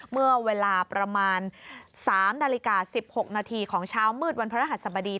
เมื่อเวลาประมาณ๓นาฬิกา๑๖นาทีของเช้ามืดวันพระรหัสบดี